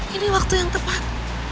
ini waktu yang tepat